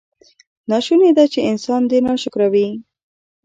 ناشونې ده چې انسان دې ناشکره وي.